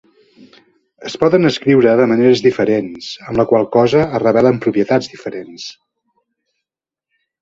Es poden escriure de maneres diferents, amb la qual cosa es revelen propietats diferents.